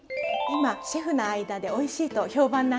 今シェフの間でおいしいと評判なんですよ。